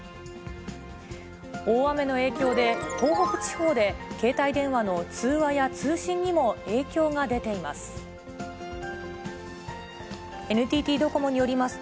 大雨の影響で、東北地方で携帯電話の通話や通信にも影響が出ています。